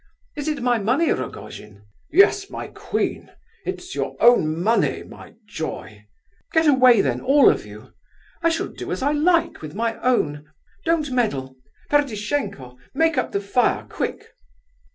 Is it my money, Rogojin?" "Yes, my queen; it's your own money, my joy." "Get away then, all of you. I shall do as I like with my own—don't meddle! Ferdishenko, make up the fire, quick!"